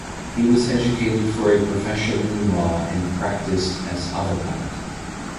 He was educated for a profession in law and practised as "avocat".